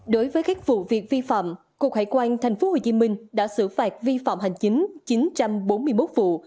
đối với các vụ việc vi phạm cục hải quan tp hcm đã xử phạt vi phạm hành chính chín trăm bốn mươi một vụ